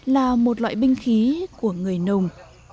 là một loại bình khí của người nùng